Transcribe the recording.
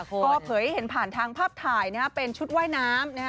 ก็เผยให้เห็นผ่านทางภาพถ่ายเป็นชุดว่ายน้ำ